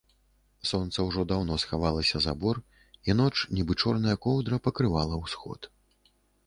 Сонца ўжо даўно схавалася за бор, i ноч, нiбы чорная коўдра, пакрывала ўсход.